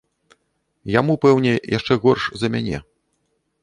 Яму, пэўне, яшчэ горш за мяне.